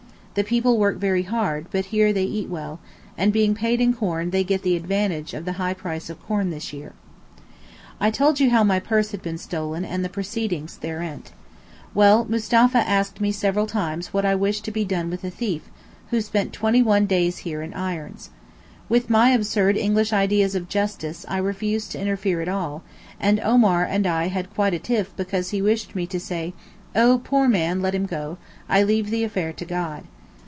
The people work very hard, but here they eat well, and being paid in corn they get the advantage of the high price of corn this year. I told you how my purse had been stolen and the proceedings thereanent. Well, Mustapha asked me several times what I wished to be done with the thief, who spent twenty one days here in irons. With my absurd English ideas of justice I refused to interfere at all, and Omar and I had quite a tiff because he wished me to say, 'Oh, poor man, let him go; I leave the affair to God.